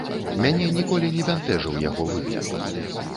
Мяне ніколі не бянтэжыў яго выгляд.